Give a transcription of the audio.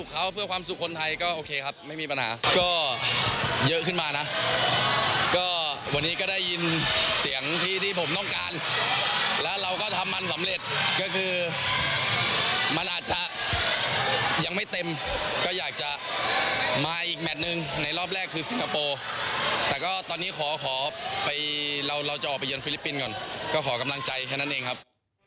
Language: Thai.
แต่ก็ตอนนี้เราจะออกไปเยินฟิลิปปินส์ก่อนก็ขอกำลังใจแค่นั้นเองครับ